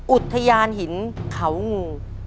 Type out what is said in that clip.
อุทยานหินเขางู